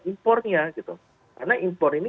impornya karena impor ini